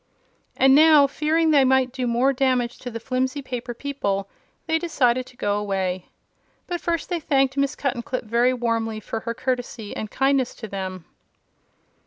And now, fearing they might do more damage to the flimsy paper people, they decided to go away. But first they thanked Miss Cuttenclip very warmly for her courtesy and kindness to them.